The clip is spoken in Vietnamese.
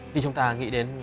khi chúng ta nghĩ đến